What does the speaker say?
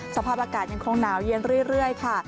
สภาพอากาศยังคงหนาวเย็นเรื่อยค่ะ